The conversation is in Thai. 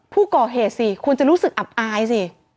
ผู้ก่อเหตุสิคุณจะรู้สึกอับอายสิ